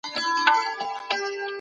ډيموکراسي تر انحصار غوره ده.